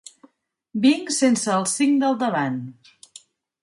Vinc sense els cinc del davant.